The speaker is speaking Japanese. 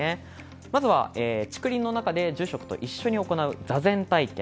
まずは竹林の中で住職と一緒に行う座禅体験。